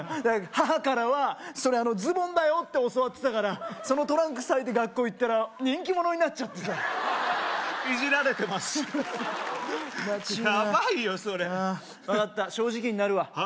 母からはそれズボンだよって教わってたからそのトランクスはいて学校行ったら人気者になっちゃってさイジられてますそうヤバいよそれ分かった正直になるわはあ？